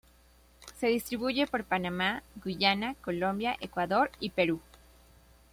Se distribuye por Panamá, Guyana, Colombia, Ecuador y Perú.